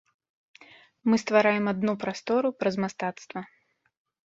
Мы ствараем адну прастору праз мастацтва.